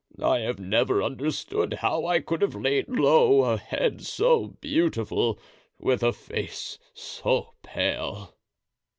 I have never understood how I could have laid low a head so beautiful, with a face so pale."